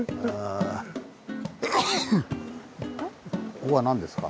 ここは何ですか？